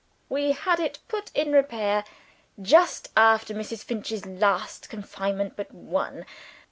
we had it put in repair just after Mrs. Finch's last confinement but one."